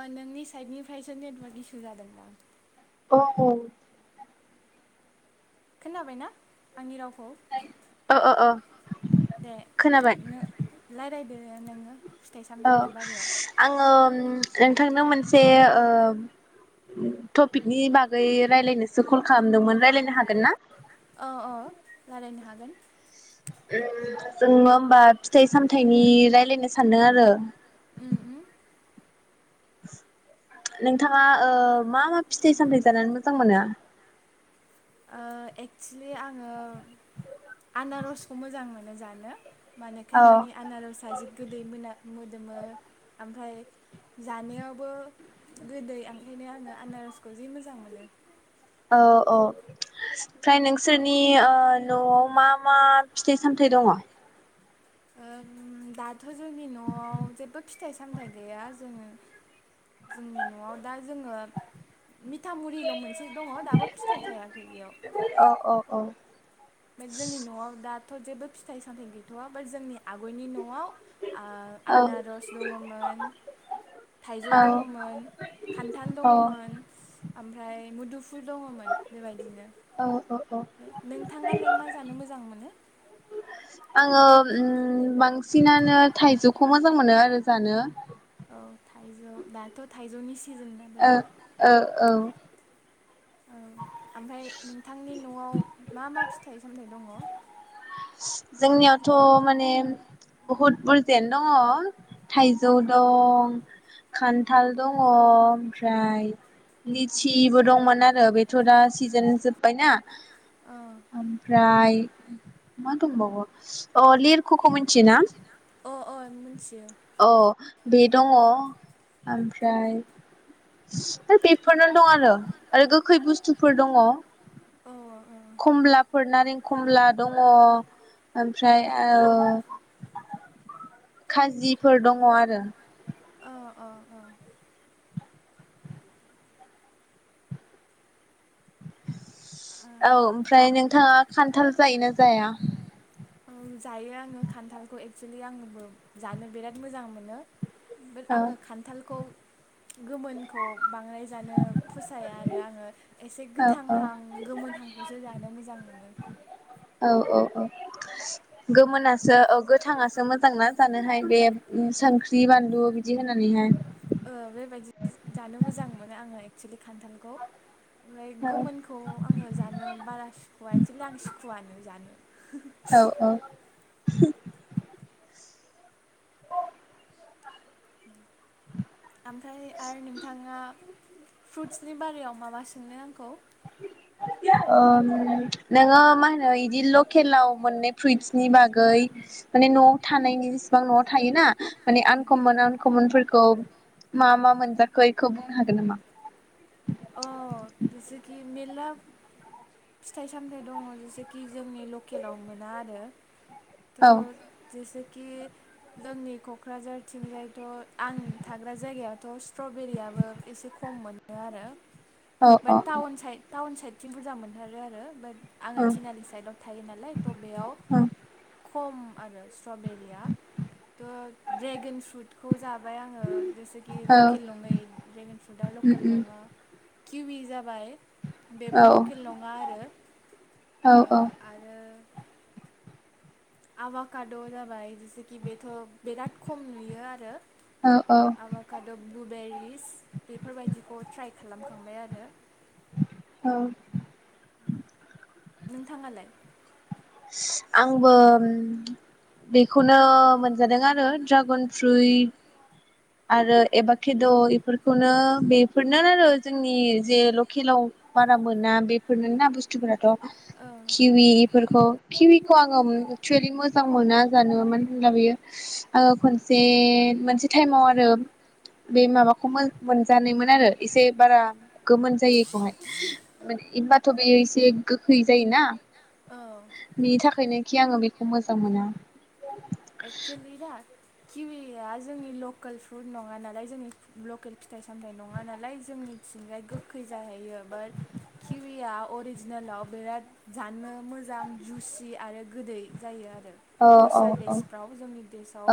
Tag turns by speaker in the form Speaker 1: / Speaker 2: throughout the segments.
Speaker 1: ओ नोंनिस। साइदनिफ्रायसो नेटवार्क इसु जादोंदां।
Speaker 2: औ-औ।
Speaker 1: खोनाबाय ना आंनि रावखौ। [inaudible]
Speaker 2: औ औ औ
Speaker 1: दे
Speaker 2: खोनाबाय
Speaker 1: नों रायलायदो। दे नोङो। फिथाइ
Speaker 2: औ
Speaker 1: सामथाइनि बारियाव
Speaker 2: आङोम। नोंथांनाव मोनसे टपिकनि बागै रायजलायनोसो कल खालामदोंमोन रायज्लायनो हागोन ना।
Speaker 1: औ [unintelligible]
Speaker 2: उम जोङो होमबा फिथाइ सामथायाइनि रायलायनो सानदों आरो।
Speaker 1: उम उम।
Speaker 2: नोंथाङा मा मा फिथाइ सामथाय जानानै मोजां मोनो।
Speaker 1: ओ एक्सुुलि आङो आनारसखौ मोजां मोनो जानो। मानोखाय
Speaker 2: औ
Speaker 1: माने आनारसा जि गोदै मोना मोदोमो ओमफ्राय। जानायावबो गोदै ओंखायनो आङो आनारसखौ जि मोजां मोनो।
Speaker 2: औ-औ ओमफ्राय नोंसोरनि न'आव मा मा फिथाइ सामथाइ दङ।
Speaker 1: ओम दा। थ' जोंनि न'आव जेबो फिथाइ सामथाइ गैया। जोङो जोंनि न'आव दा जोङो मिथाामुरिल' मोनसे दङ दाबो फिथाइ थायाखै बेयाव।
Speaker 2: औ औ औ
Speaker 1: मेद जोंनि न'आव दाद थ' जेबो फिथाइ सामथाइ गैथ'आ बा जोंनि आगयनि न'आव आ
Speaker 2: औ
Speaker 1: आनारस दङमोन थाइजौ दङमोन खान्थाल
Speaker 2: औ
Speaker 1: दङमोन। ओम फ्राय मुदुफु ल दङमोन बेबायदिनो।
Speaker 2: औ औ औ
Speaker 1: नोंथाङालाय मा जानो मोजां मोनो?
Speaker 2: सिनानो थाइजौखौ मोजां मोनो आरो जानो।
Speaker 1: औ थाइजौ दाथ' थाइजौनि सि
Speaker 2: ओ ओ औ
Speaker 1: औ आमफाय नोंथांनि न'आव मा मा फि फिथाइ सामथाय दङ?
Speaker 2: जोंनियावथ' माने बहुद बुरजायानो दङ थाइजौ दं खान्थाल दङ ओमफ्राय लिचिबो दंमोन आरो बेथ' दा सिजेन जोब्बायना ओमफ्राय मा दंबावो अ लेरख'खौ मिथियो ना?
Speaker 1: अ अ मिथियो
Speaker 2: औ। बे दङ ओमफ्राय होय बेफोरनो दं आरो। आरो गोखै बुस्थुफोर दङ
Speaker 1: औ औ
Speaker 2: कमलाफोर नारें कमला दङ ओमफ्राय ओ खाजि फोर दङ आरो।
Speaker 1: ओ ओ ओ
Speaker 2: औ
Speaker 1: आम
Speaker 2: ओमफ्राय नोंथाङा खान्थाल जायोना जाया?
Speaker 1: ओ जायो आङो खान्थालखौ एक्सलि आंबो जानो बिराद मोजां मोनो। बाद
Speaker 2: औ
Speaker 1: आङो खान्थालखौ गोमोनखौ बांराय जानो फसाया आरो आङो एसे
Speaker 2: औ औ
Speaker 1: गोथांहां गोमोनहांखौसो जानो मोजां मोनो।
Speaker 2: औ औ औ गोमोनासो औ गोथाङासो मोजांना जानोहाय बे संख्रि बानलु बिदि होनानैहाय।
Speaker 1: ओ बेबायदि जानो मोजां मोनो आङो एक्सलि खान्थालखौ। ओमफ्राय
Speaker 2: औ
Speaker 1: गोमोनखौ आङो जानो बारा सुखुव एक्सलि आं सुखुवनो जानो।
Speaker 2: औ औ [unintelligible] [unintelligible]
Speaker 1: उम। आमफ्राय आरो नोंथाङा फ्रुटसनि बारियाव माबा सोंनो आंखौ?
Speaker 2: ओ नोङो मा होनो इदि लकेलाव मोननाय फ्रुइटसनि बागै माने न'आव थानायनि जेसिबां न'आव थायोना माने आनकमन आनकमनफोर औ मा मा मोनजाखो बेखौ बुंनो हागोन नामा?
Speaker 1: अ जेसेखि मेलला फिथाइ सामथाइ दंङ जेसेखि जोंनि लकेलाव मोना आरो।
Speaker 2: औ
Speaker 1: थ जैसे खि जोंनि क'क्राझार थिंजायथ' आं थाग्रा जायगायावथ' स्ट्रबेरियाबो एसे खम मोनो आरो।
Speaker 2: औ औ
Speaker 1: बाद थाउन साय थाउन साय थिं बुरजा मोनथारो आरो बाद
Speaker 2: औ
Speaker 1: आंङो
Speaker 2: उम
Speaker 1: तिनालि साइडआव थायो नालाय थ' बेयाव
Speaker 2: उम
Speaker 1: खम आरो स्ट्रबेरिया थ' ड्रेगन फ्रुटखौ जा बाय आंङो जेसेखि
Speaker 2: औ औ
Speaker 1: लकेल नं नै ड्रेगन फ्रुटआ लकेल नंङा। किववि जाबाय। बेबो लकेल नंङा आरो
Speaker 2: औ
Speaker 1: ओ आरो आभाखाद' जाबाय जेसेखि बेथ' बिराद खम नुयो आरो।
Speaker 2: औ
Speaker 1: आबाखाद बुबेरि बेफोरबायदिखौ ट्राइ खालामखांबाय आरो।
Speaker 2: औ
Speaker 1: नोंथांङालाय?
Speaker 2: आंबो बेखौनो मोनजादों आरो ड्रागन फ्रुइट आरो एबा खेद' इफोरखौनो बेफोरनो आरो जोंनि जे लकेलाव बारा मोना बेफोरना बुस्थुफोराथ'
Speaker 1: ओं
Speaker 2: किवि इफोरखौ किवि खौ आंङो एकसुलि मोजां मोना जानो मानो होनब्ला बियो ओ खनसे मोनसे टाइमाव आर रोम बे माबाखौ मोन-मोनजानायमोन आरो एसे बारा गोमोन जायिखौहाय माने इनबाथ' बेयो एसे गोखै जायोना
Speaker 1: औ
Speaker 2: नि था फाय नोखि आंङो बेखौ मोजां मोना।
Speaker 1: एकसुलि जाहा किविया जोंनि लकोल फ्रुट नंङा नालाय जोंनि लकेल फिथाइ सामथाय नंङा नालाय जोंनिथिंगाय गोखै जाहैयो बाट किविया अरिजिनेलाव बिराद जानो मोजां जुसि आरो गोदै जायो आर यो
Speaker 2: औ औ
Speaker 1: दस्रा
Speaker 2: औ
Speaker 1: देस फ्राव जोंनि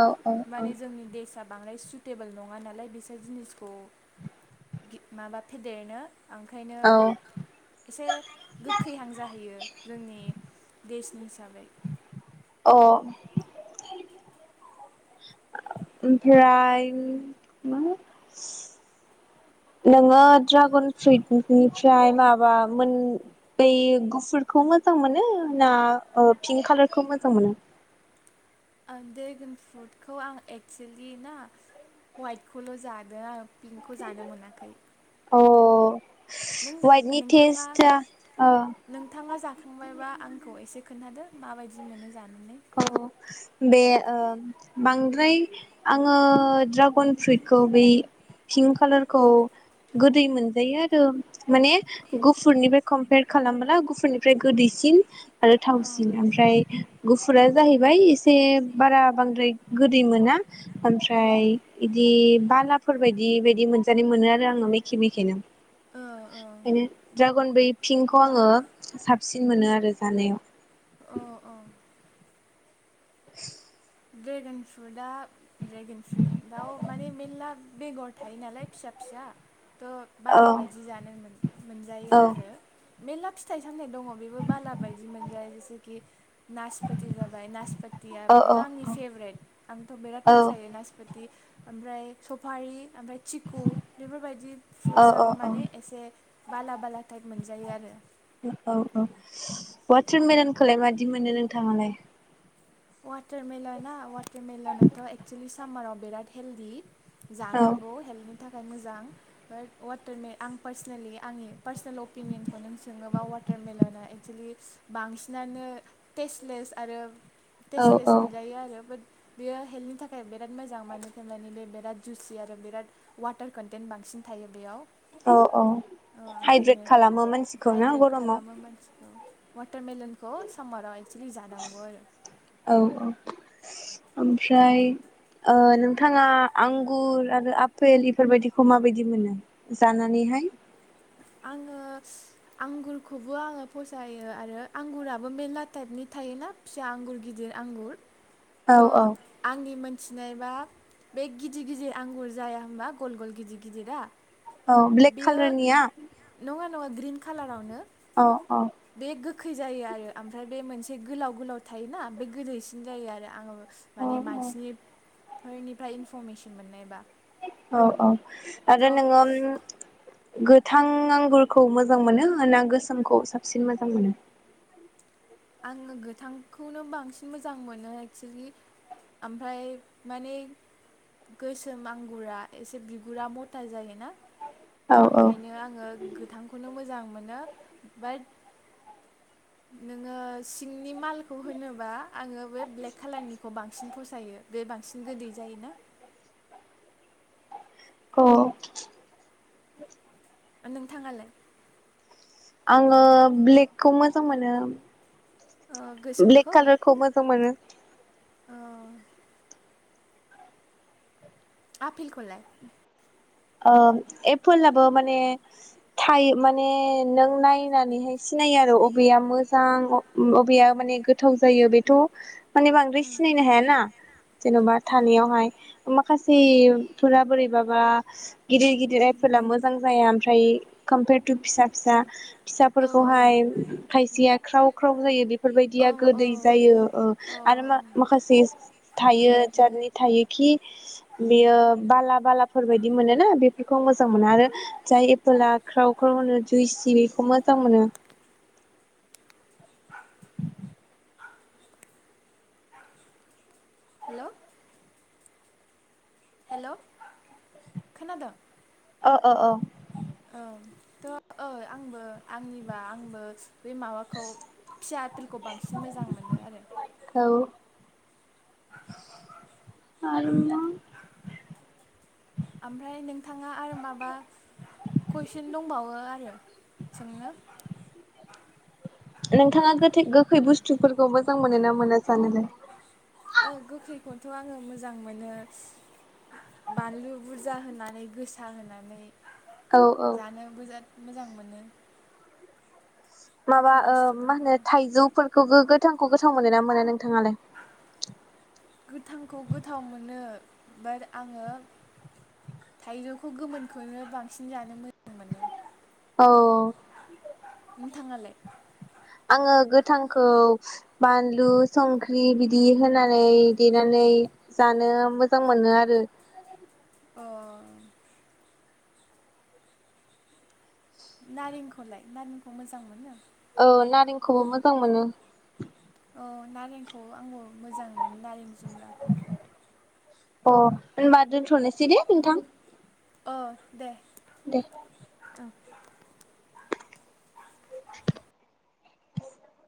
Speaker 2: औ औ औ
Speaker 1: माने जोंनि देश सा बांनाय सुटेबोल नंङा नालाय बिसोर जिनिसखौ माबा फेदेरनो ओंखायनो
Speaker 2: औ अ
Speaker 1: एसे गोखैहां जाहैयो जोंनि देशनि हिसाबै
Speaker 2: अ ओमफ्राय [unintelligible] नोंङो ड्रागन फ्रुइटनिफ्राय माबा मोन बै गुफुरखौ मोजां मोनो ना ओ पिंक कालारखौ मोजां मोनो?
Speaker 1: ओ ड्रेगन फ्रुटखौ आं एक्सुलि ना हवाइटखौल' जादों आं पिंक खौ जानो मोनाखै।
Speaker 2: अ
Speaker 1: नों
Speaker 2: वाइटनि
Speaker 1: नोंथांङा
Speaker 2: टेस्टआ ओ
Speaker 1: नोंथांङा जा खांबायबा आंखौ एसे खोन्थादो माबायदि मोनो जानो?
Speaker 2: औ बे ओ बांद्राय आङो ड्रागन फ्रुइटखौ बै पिंक कालारखौ गोदै मोनजायो आरो माने गुफुरनिफ्राय कम्पेयार खालामला गुफुरनिफ्राय गोदैसिन आरो
Speaker 1: अ
Speaker 2: थावसिन ओमफ्राय गुफुरा जाहैबाय एसे बारा बांद्राय गोदै मोना
Speaker 1: अ
Speaker 2: ओमफ्राय बिदि बालाफोर बायदि बायदि मोनजानाय मोनो आरो आङो मेखे मेखेनो
Speaker 1: अ
Speaker 2: ओंखायनो दड्रागन बै फिंखौ आङो साबसिन मोनो आरो जानायाव
Speaker 1: अ अ
Speaker 2: [inaudible]
Speaker 1: ड्रेगन फ्रुटआ ड्रेगन फ्रुइटआव माने मेल्ला बेगर थायो नालाय फिसा फिसा थ'
Speaker 2: औ
Speaker 1: बाला बायदि जानो मोन
Speaker 2: औ
Speaker 1: मोनजायो आरो मेरला फिथाइ सामथाइ दङ बेबो बाला बायदि मोनजाया जेसेखि नासपोति जाबाय
Speaker 2: औ
Speaker 1: नासपोतियाबो आंनि फेभ्रेट आंथ' बिराद
Speaker 2: औ
Speaker 1: फसायो नासपोति ओमफ्राय सफारि ओमफ्राय चिकु बेफोरबायदि
Speaker 2: औ औ
Speaker 1: फ्रुट्साबबो माने एसे बाला बाला टाइप मोनजायो आरो
Speaker 2: औ औ वाटारमेलनखौलाय मादि मोनो नोंथाङालाय?
Speaker 1: वाटार मेलोना वाट मेलनाथ' एक्सलि सामाराव बिराद हेल्डि
Speaker 2: औ
Speaker 1: जानांगौ हेल्थनि था खाय मोजां बाट वाटारमे आं पार्सनेलि आंनि पार्सनेल अपिनियन खौ नों सोङोब्ला वाटारमेलन आ एक्सुलि बांसिनानो टेस्टलेस आरो
Speaker 2: औ
Speaker 1: टेस्टलेस
Speaker 2: औ
Speaker 1: मोनजायो आरो बाट बेयो हेल्थनि थाखाय बिराद मोजां मान थाखाय मानि बे बिराद जुसि आरो बिराद वाटार कन्टेन्ट बांसिन थायो बेयाव।
Speaker 2: औ औ
Speaker 1: ओ
Speaker 2: हाइब्रेद
Speaker 1: ओंखायनो
Speaker 2: खालामो मानसिखौ ना
Speaker 1: हाइद्रेट
Speaker 2: गरम
Speaker 1: खालामो मानसिखौ
Speaker 2: आव
Speaker 1: वाटारमेलनखौ समार आव एक्सलि जानांगौ आरो
Speaker 2: औ औ ओमफ्राय ओ नोंथाङा आंगुर आरो आफपेल बेफोरबायदिखौ माबायदि मोनो जानानैहाय?
Speaker 1: आङो आंगुरखौबो आङो फसायो आरो आंगुराबो मेरला टाइपनि थायोना फिसा आंगुर गिदिर आंगुर
Speaker 2: औ
Speaker 1: थ
Speaker 2: औ
Speaker 1: आंनि मोन मिथिनायबा बे गिदिर गिदिर आंगुर जाया होनबा गल गल गिदिर गिदिर आ
Speaker 2: औ ब्लेक कालारनिया?
Speaker 1: नङा नङा ग्रिन कालारावनो
Speaker 2: अ अ
Speaker 1: बे गोखै जायो आरो ओमफ्राय बे मोनसे गोलाव गोलाव थायोना बे गोलैसिन जायो आरो आङो
Speaker 2: औ
Speaker 1: माने मानसिनि बेनिफ्राय इनफरमेसन मोननायबा
Speaker 2: औ औ आरो
Speaker 1: थ'
Speaker 2: नङो गोथां आंगुरखौ मोजां मोनो ना गोसोमखौ साबसिन मोजां मोनो?
Speaker 1: आङो गोथांखौनो बांसिन मोजां मोनो एक्सलि ओमफ्राय माने गोसोम आंगुरा एसे बिगुरा मथा जायोना।
Speaker 2: औ औ
Speaker 1: ओंखायनो आङो गोथांखौनो मोजां मोनो बाट आङो सिंनि मालखौ होनोबा आङो बे ब्लेक कालारनिखौ बांसिन फसायो बे बांसिन गोदै जायोना।
Speaker 2: औ
Speaker 1: नोंथाङालाय?
Speaker 2: आङो ब्लेकखौ मोजां मोनो।
Speaker 1: ओ
Speaker 2: ब्लेक
Speaker 1: गोसोमखौ
Speaker 2: कालारखौ मोजां मोनो।
Speaker 1: ओ आपेलखौ?
Speaker 2: एप्पल आबो माने थायो माने नों नायनानैहाय सिनायो आरो अबेया मोजां अबेया माने गोथाव जायो बेथ मानि बांद्राय सिनायनो हायाना जेनबा थानायावहाय माखासेफोरा बोरैबाबा गिदिर गिदिर आइफला मोजां जाया ओमफ्राय कम्पेयार टु फिसा फिसा फिसाफोरखौहाय खायसेया ख्राव ख्राव जायो बे बेफोरबायदिया गोदै जायो आरो म माखासे थायो जारनि थायोखि बेयो बाला बालाफोर बायदि बिदि मोनोना बेफोरखौ मोजां मोनो आरो जाय एपोलाआ क्राव क्राव होनो जुइसि बेखौ मोजां मोनो।
Speaker 1: हेल। हेल खोनादों?
Speaker 2: अ अ अ।
Speaker 1: औ थ ओइ आंबो आंनिबा आंबो बे माबाखौ फिसा आपिलखौ बांसिन मोजां मोनो आरो।
Speaker 2: औ। आरो मा।
Speaker 1: ओमफ्राय नोंथाङा आरो माबा कुइसन दंबावो आरो सोंनो।
Speaker 2: नोंथाङा गोखै बुस्थुफोरखौ मोजां मोनोना मोना जानोलाय।
Speaker 1: गोखैखौनोथ' आङो मोजां मोनो बानलु बुरजा होनानै गोसा होनानै।
Speaker 2: औ औ
Speaker 1: जानो। मोजां मोनो।
Speaker 2: माबा
Speaker 1: गोखै
Speaker 2: मा
Speaker 1: बुस्थुफोरखौ
Speaker 2: होनो थाइजौफोरखौ गोथांखौ गोथाव मोनो ना मोना नोंथाङालाय।
Speaker 1: गोथांखौ गोथाव मोनो बाट आङो थाइजौखौ गोमोनखौनो बांसिन जानो मोजां मोनो।
Speaker 2: औ।
Speaker 1: नोंथाङालाय।
Speaker 2: आङो गोथांखौ बानलु संख्रि बिदि होनानै देनानै जानो मोजां मोनो आरो।
Speaker 1: अ। नारेंखौलाय नारेंखौ मोजां मोनो।
Speaker 2: औ नारेंखौबो मोजां मोनो।
Speaker 1: औ नारेंखौ आंबो मोजांमोनो नारें जुमब्राखौ।
Speaker 2: अ होनबा दोनथ'नोसै दे नोंथां।
Speaker 1: अ दे।
Speaker 2: दे। [inaudible]